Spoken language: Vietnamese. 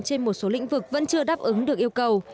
trên một số lĩnh vực vẫn chưa đáp ứng được yêu cầu